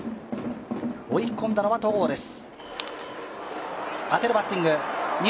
追い込んだのは戸郷です。